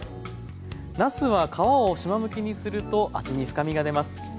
なすは皮をしまむきにすると味に深みが出ます。